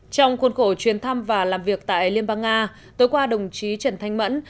trong khuôn khổ chuyến thăm và làm việc tại liên bang nga tối qua đồng chí trần thanh mẫn